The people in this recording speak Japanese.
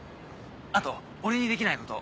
あと俺にできないこと。